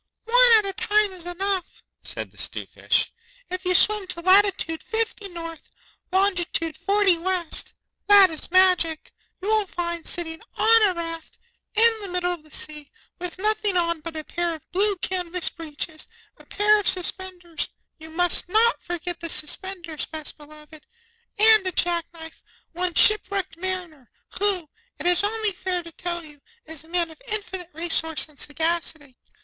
'One at a time is enough,' said the 'Stute Fish. 'If you swim to latitude Fifty North, longitude Forty West (that is magic), you will find, sitting on a raft, in the middle of the sea, with nothing on but a pair of blue canvas breeches, a pair of suspenders (you must not forget the suspenders, Best Beloved), and a jack knife, one ship wrecked Mariner, who, it is only fair to tell you, is a man of infinite resource and sagacity.